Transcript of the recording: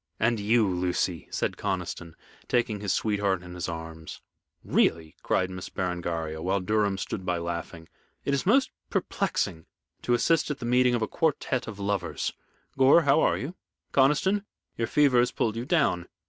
"And you, Lucy," said Conniston, taking his sweetheart in his arms. "Really," cried Miss Berengaria, while Durham stood by laughing, "it is most perplexing to assist at the meeting of a quartette of lovers. Gore, how are you? Conniston, your fever has pulled you down.